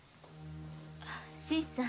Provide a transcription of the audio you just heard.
新さん。